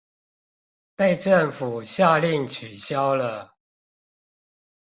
被政府下令取消了